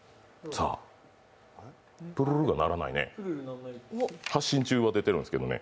さあ、プルルが鳴らないね、「発信中」は出てるんですけどね。